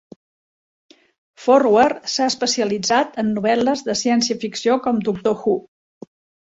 Forward s'ha especialitzat en novel·les de ciència ficció com Doctor Who.